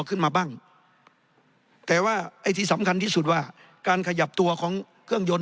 ขึ้นมาบ้างแต่ว่าไอ้ที่สำคัญที่สุดว่าการขยับตัวของเครื่องยนต์